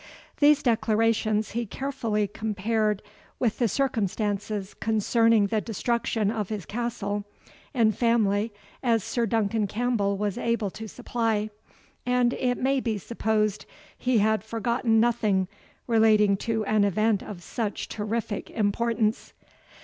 These declarations he carefully compared with such circumstances concerning the destruction of his castle and family as Sir Duncan Campbell was able to supply; and it may be supposed he had forgotten nothing relating to an event of such terrific importance.